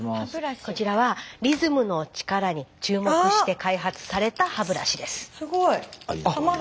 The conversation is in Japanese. こちらはリズムの力に注目して開発された歯ブラシです。